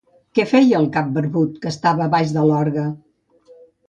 Què feia el cap barbut que estava baix de l'orgue?